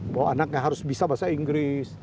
bahwa anaknya harus bisa bahasa inggris